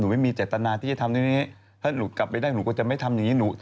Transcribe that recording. ไม่มีเจตนาที่จะทำอย่างนี้ถ้าหนูกลับไปได้หนูก็จะไม่ทำอย่างนี้หนู